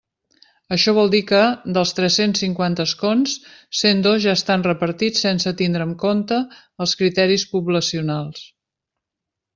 Això vol dir que, dels tres-cents cinquanta escons, cent dos ja estan repartits sense tindre en compte els criteris poblacionals.